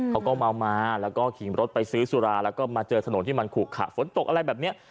เขาก็เมามาแล้วก็ขี่รถไปซื้อสุราแล้วก็มาเจอถนนที่มันขุขะฝนตกอะไรแบบนี้